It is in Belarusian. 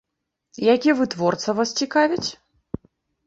Які вытворца вас цікавіць?